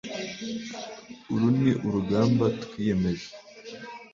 uru ni urugamba twiyemeje